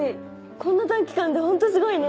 こんな短期間でホントすごいね！